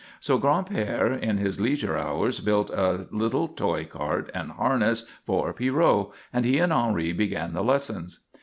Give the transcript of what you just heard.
So Gran'père, in his leisure hours, built a little toy cart and harness for Pierrot, and he and Henri began the lessons.